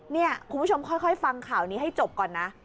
นี่คุณผู้ชมค่อยฟังข่าวนี้ให้จบก่อนนะ